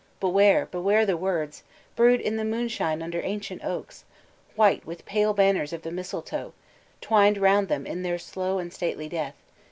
Beware, beware the words Brewed in the moonshine under ancient oaks White with pale banners of the mistletoe Twined round them in their slow and stately death.